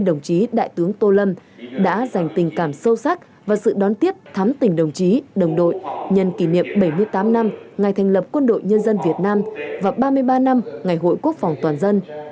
đồng chí đại tướng tô lâm đã dành tình cảm sâu sắc và sự đón tiếp thắm tình đồng chí đồng đội nhân kỷ niệm bảy mươi tám năm ngày thành lập quân đội nhân dân việt nam và ba mươi ba năm ngày hội quốc phòng toàn dân